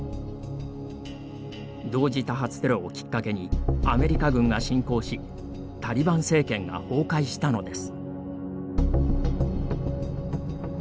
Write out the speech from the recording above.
同時多発テロをきっかけにアメリカ軍が侵攻しタリバン政権が崩壊したのです。